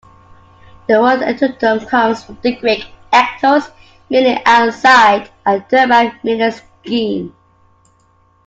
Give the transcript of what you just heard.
The word ectoderm comes from the Greek "ektos" meaning "outside", and "derma", meaning "skin.